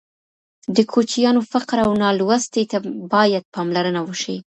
د کوچیانو فقر او نالوستي ته باید پاملرنه وشي.